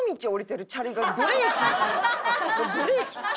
ブレーキ。